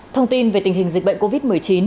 thông tin về tình hình dịch bệnh covid một mươi chín